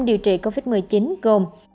điều trị covid một mươi chín gồm